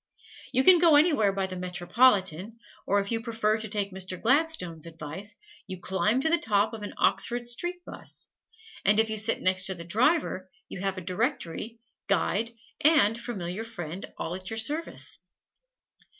You can go anywhere by the "Metropolitan," or if you prefer to take Mr. Gladstone's advice, you climb to the top of an Oxford Street bus, and if you sit next the driver you have a directory, guide and familiar friend all at your service.